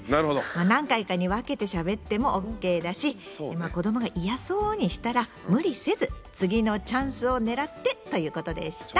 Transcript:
まあ何回かに分けてしゃべってもＯＫだし子どもが嫌そうにしたら無理せず次のチャンスを狙って！ということでした。